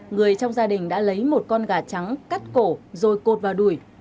người trong gia đình đã lấy một con gà trắng cắt cổ rồi cột vào đùi